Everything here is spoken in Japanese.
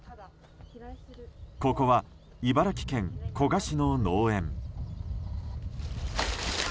ここは、茨城県古河市の農園。